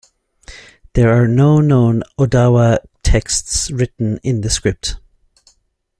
There are no known Odawa texts written in the script.